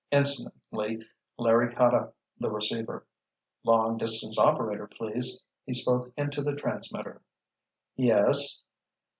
Instantly Larry caught up the receiver. "Long Distance Operator, please," he spoke into the transmitter. "Yes?"